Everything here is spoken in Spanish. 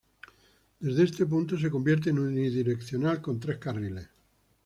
Desde este punto se convierte en unidireccional con tres carriles.